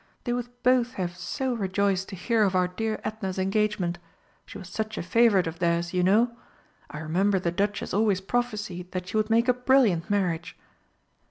They would both have so rejoiced to hear of our dear Edna's engagement she was such a favourite of theirs, you know! I remember the Duchess always prophesied that she would make a brilliant marriage."